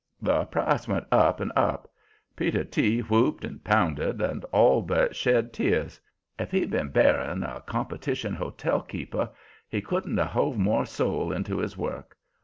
The price went up and up. Peter T. whooped and pounded and all but shed tears. If he'd been burying a competition hotel keeper he couldn't have hove more soul into his work.